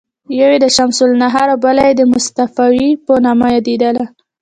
یوه یې د شمس النهار او بله یې د مصطفاوي په نامه یادیده.